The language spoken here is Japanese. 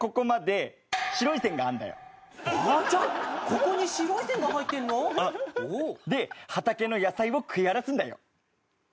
ここに白い線が入ってるの？で畑の野菜を食い荒らすんだよ。